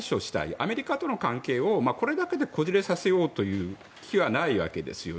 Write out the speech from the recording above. アメリカとの関係をこれだけでこじれさせようという気はないわけです。